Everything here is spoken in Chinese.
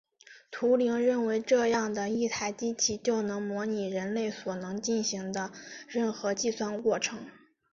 图灵认为这样的一台机器就能模拟人类所能进行的任何计算过程。